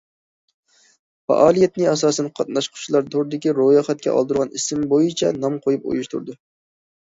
پائالىيەتنى ئاساسەن قاتناشقۇچىلار توردىكى رويخەتكە ئالدۇرغان ئىسمى بويىچە نام قويۇپ ئۇيۇشتۇرىدۇ.